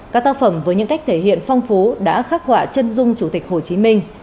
các tác phẩm với những cách thể hiện phong phú đã khắc họa chân dung chủ tịch hồ chí minh